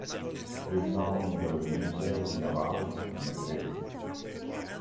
It is now in the Museo Naval in Madrid.